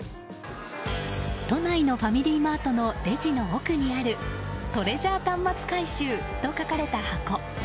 都内のファミリーマートのレジの奥にあるトレジャー端末回収と書かれた箱。